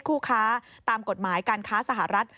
คู่ค้าตามกฎหมายการค้าสหรัฐ